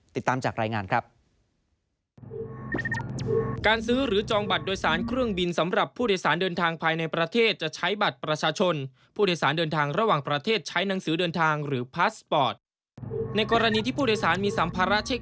ติดตามจากรายงานครับ